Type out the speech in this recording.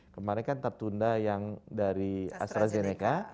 kemarin kan tertunda yang dari astrazeneca